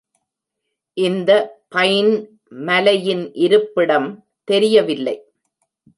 இந்த பைன் மலையின் இருப்பிடம் தெரியவில்லை.